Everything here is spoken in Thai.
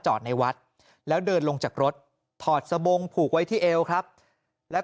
ในวัดแล้วเดินลงจากรถถอดสบงผูกไว้ที่เอวครับแล้ว